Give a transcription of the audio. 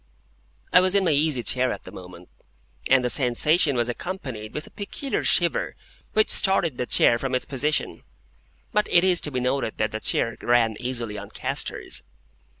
I was in my easy chair at the moment, and the sensation was accompanied with a peculiar shiver which started the chair from its position. (But it is to be noted that the chair ran easily on castors.)